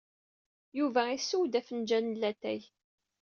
Yuba isseww-d afenjal n latay.